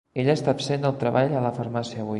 Ella està absent del treball a la farmàcia avui.